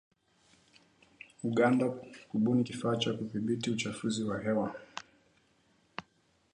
Uganda kubuni kifaa cha kudhibiti uchafuzi wa hewa.